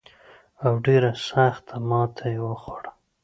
او ډېره سخته ماته یې وخوړه.